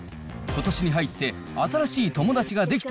ことしに入って新しい友達ができ